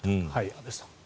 安部さん。